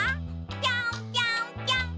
ぴょんぴょんぴょん！